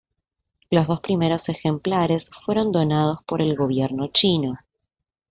Los dos primeros ejemplares fueron donados por el gobierno chino.